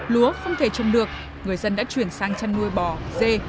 lúa không thể trồng được người dân đã chuyển sang chăn nuôi bò dê